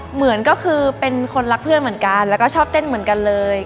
เหมือนก็คือเป็นคนรักเพื่อนเหมือนกันแล้วก็ชอบเต้นเหมือนกันเลย